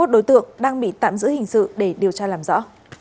hai mươi đối tượng đang bị tạm giữ hình sự để điều tra làm rõ